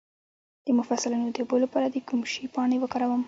د مفصلونو د اوبو لپاره د کوم شي پاڼې وکاروم؟